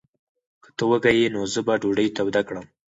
که ته وږی یې، نو زه به ډوډۍ توده کړم.